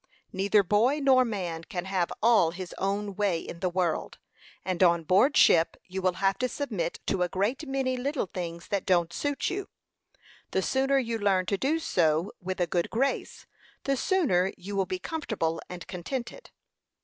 Neither boy nor man can have all his own way in the world; and on board ship you will have to submit to a great many little things that don't suit you. The sooner you learn to do so with a good grace, the sooner you will be comfortable and contented."